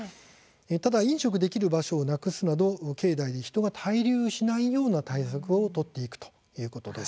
ただ飲食できる場所をなくすなど境内で人が滞留しないような対策を取っていくということです。